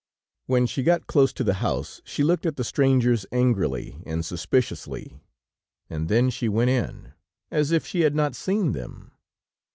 When she got close to the house, she looked at the strangers angrily and suspiciously, and then she went in, as if she had not seen them.